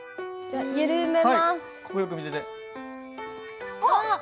あっ！